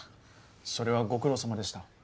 それはご苦労さまでした。